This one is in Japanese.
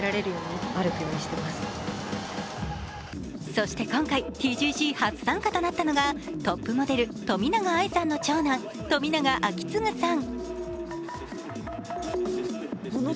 そして今回、ＴＧＣ初参加となったのがトップモデル冨永愛さんの長男冨永章胤さん。